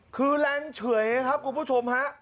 คือแรงเฉยครับคุณผู้ชมฮะ